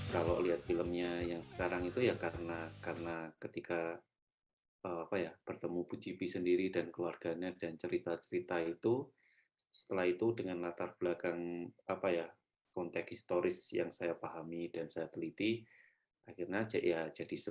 ketika pemerintah menemukan sylvia sarce pemerintah menemukan sylvia sarce